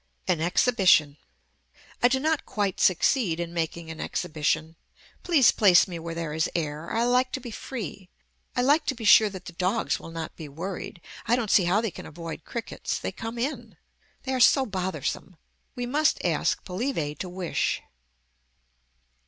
AN EXHIBITION I do not quite succeed in making an exhibition. Please place me where there is air. I like to be free. I like to be sure that the dogs will not be worried. I don't see how they can avoid crickets. They come in. They are so bothersome. We must ask Polybe to wish.